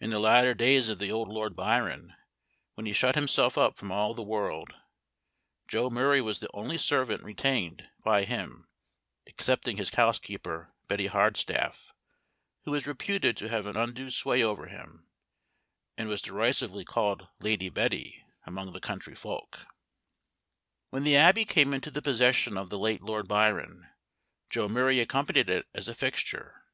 In the latter days of the old Lord Byron, when he shut himself up from all the world, Joe Murray was the only servant retained by him, excepting his housekeeper, Betty Hardstaff, who was reputed to have an undue sway over him, and was derisively called Lady Betty among the country folk. When the Abbey came into the possession of the late Lord Byron, Joe Murray accompanied it as a fixture.